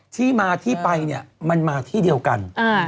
ที่มาที่ไปเนี่ยมันมาที่เดียวกัน